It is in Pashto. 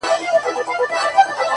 زما هغه سترگو ته ودريږي.!